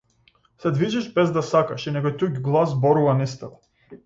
Се движиш без да сакаш и некој туѓ глас зборува низ тебе.